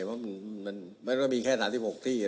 มันไม่รู้มีแค่๓๖ที่